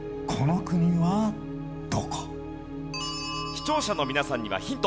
視聴者の皆さんにはヒント。